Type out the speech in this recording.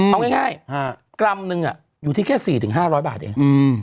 เอาง่ายกรัมนึงอยู่ที่แค่๔๕๐๐บาทเอง